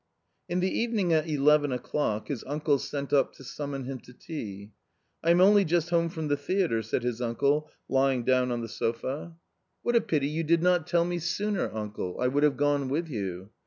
In the evening at eleven o'clock, his uncle sent up to summon him to tea. "I am only just home from the theatre," said his uncle, lying down on the sofa. 40 A COMMON STORY " What a pity you did not tell me sooner, uncle, I would have gone with you."